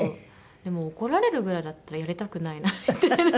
でも怒られるぐらいだったらやりたくないなみたいな。